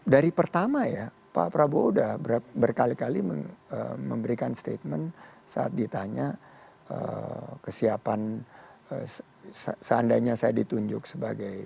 dari pertama ya pak prabowo sudah berkali kali memberikan statement saat ditanya kesiapan seandainya saya ditunjuk sebagai